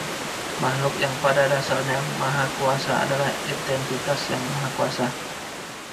Makhluk yang pada dasarnya mahakuasa adalah entitas yang maha kuasa.